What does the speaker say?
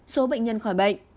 số bệnh nhân khỏi bệnh